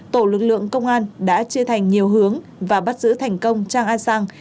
tổ lực lượng công an đã chia thành nhiều hướng và bắt giữ thành công trang a sang